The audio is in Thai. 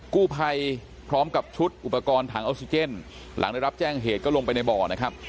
กู้ภัยพร้อมกับชุดอุปกรณ์ถังออกซิเจนหลังได้รับแจ้งเหตุก็ลงไปในบ่อนะครับ